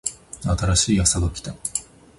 新しいあさが来た